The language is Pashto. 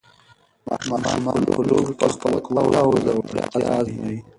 ماشومان په لوبو کې خپل قوت او زړورتیا ازمويي.